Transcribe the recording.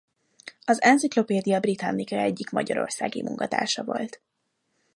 Az Encyclopaedia Britannica egyik magyarországi munkatársa volt.